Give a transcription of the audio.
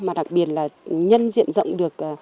mà đặc biệt là nhân diện rộng được